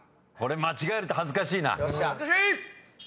これ間違えると恥ずかしいな。